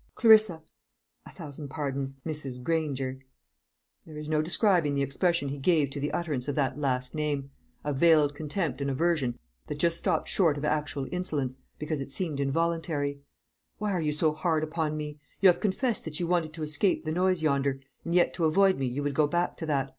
"Clarissa a thousand pardons Mrs. Granger" there is no describing the expression he gave to the utterance of that last name a veiled contempt and aversion that just stopped short of actual insolence, because it seemed involuntary "why are you so hard upon me? You have confessed that you wanted to escape the noise yonder, and yet to avoid me you would go back to that.